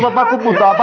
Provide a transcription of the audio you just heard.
terganggu gimana papa